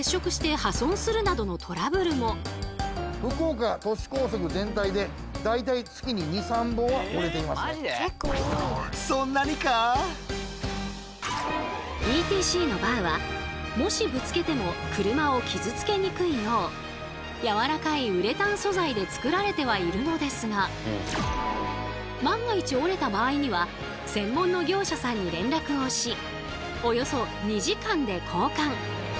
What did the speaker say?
近年急速に普及したＥＴＣによりＥＴＣのバーはもしぶつけても車を傷つけにくいよう柔らかいウレタン素材でつくられてはいるのですが万が一折れた場合には専門の業者さんに連絡をしおよそ２時間で交換。